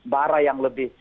bara yang lebih